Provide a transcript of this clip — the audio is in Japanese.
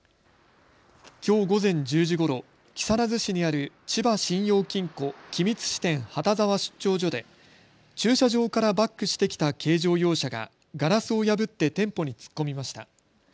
きょう午前１０時ごろ、木更津市にある千葉信用金庫君津支店畑沢出張所で駐車場からバックしてきた軽乗用車がガラスを破って店舗に突っ込みました。